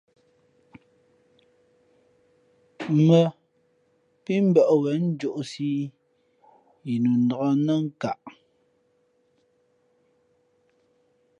Mᾱ pí mbᾱʼ wěn njōʼsī ī yi nu nǎk nά nkaʼ.